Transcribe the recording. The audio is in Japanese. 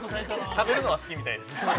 ◆食べるは、好きみたいです。